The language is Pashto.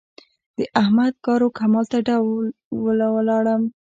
د احمد کار و کمال ته ډول ولاړم.